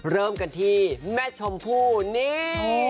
เริ่มกันที่แม่ชมพู่นี่